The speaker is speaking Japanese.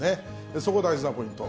そこ大事なポイント。